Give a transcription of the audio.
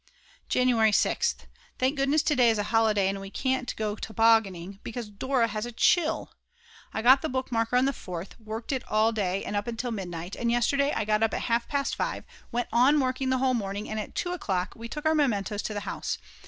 January 6th. Thank goodness to day is a holiday, and we can't go tobogganing because Dora has a chill!!! I got the bookmarker on the 4th, worked at it all day and up till midnight, and yesterday I got up at half past 5, went on working the whole morning, and at 2 o'clock we took our mementoes to the house.